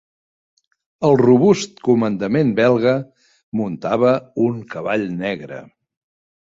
El robust comandament belga, muntava un cavall negre;